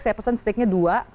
saya pesen steaknya dua